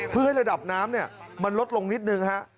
เพื่อให้ระดับน้ำมันลดลงนิดนึงฮะ